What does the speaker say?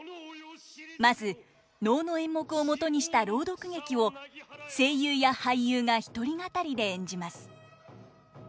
まず能の演目をもとにした朗読劇を声優や俳優が一人語りで演じます。